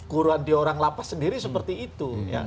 guruan diorang lapas sendiri seperti itu